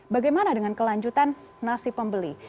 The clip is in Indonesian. bagaimana dengan kelanjutan nasib pembeli